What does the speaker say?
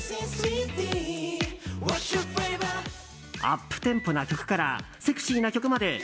アップテンポな曲からセクシーな曲まで。